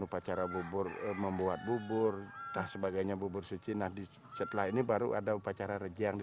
upacara bubur membuat bubur tak sebagainya bubur suci nah setelah ini baru ada upacara rejang di